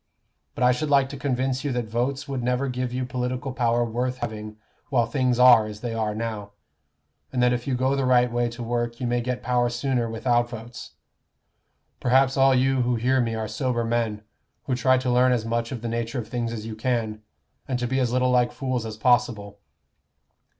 But I should like to convince you that votes would never give you political power worth having while things are as they are now, and that if you go the right way to work you may get power sooner without votes. Perhaps all you who hear me are sober men, who try to learn as much of the nature of things as you can, and to be as little like fools as possible.